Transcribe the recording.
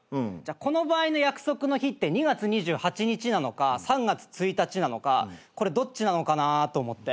この場合の約束の日って２月２８日なのか３月１日なのかどっちなのかなと思って。